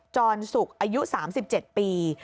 จรสุกอายุ๓๗ปี